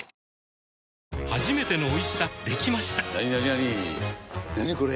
なにこれ！